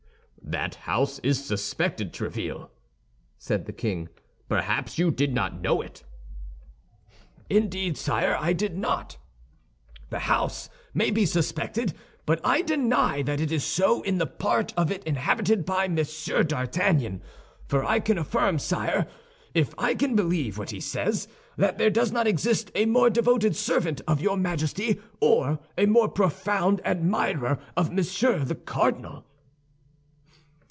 "That house is suspected, Tréville," said the king; "perhaps you did not know it?" "Indeed, sire, I did not. The house may be suspected; but I deny that it is so in the part of it inhabited by Monsieur d'Artagnan, for I can affirm, sire, if I can believe what he says, that there does not exist a more devoted servant of your Majesty, or a more profound admirer of Monsieur the Cardinal."